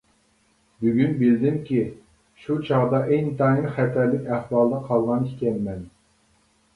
بۈگۈن بىلدىمكى، شۇ چاغدا ئىنتايىن خەتەرلىك ئەھۋالدا قالغان ئىكەنمەن.